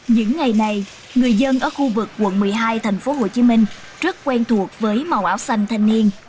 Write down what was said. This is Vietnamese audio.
những ngày này người dân ở khu vực quận một mươi hai tp hcm rất quen thuộc với màu áo xanh thanh niên